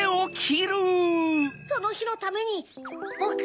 そのひのためにボク